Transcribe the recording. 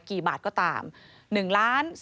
ครอบครัวของน้องสปายกี่บาทก็ตาม